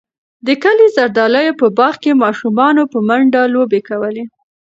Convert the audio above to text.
د کلي د زردالیو په باغ کې ماشومانو په منډو لوبې کولې.